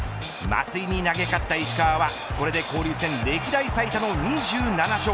増井に投げ勝った石川はこれで交流戦歴代最多の２７勝。